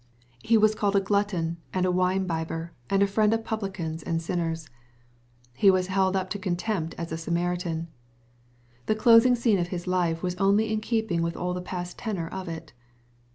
He was called a glutton, a winebibber, and a friend of publicans and sinners. He was held up to contempt as a Samaritan. The closing scene of His life was only in keeping with all the past tenor of it.